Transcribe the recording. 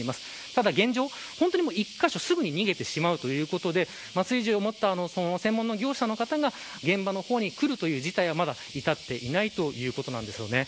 ただ現状、本当に１カ所すぐに逃げてしまうということで麻酔銃を持った専門の業者の方が現場の方に来るという事態にはまだ至っていないということなんです。